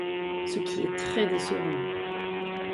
Ce qui est très décevant.